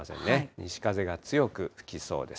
西風が強く吹きそうです。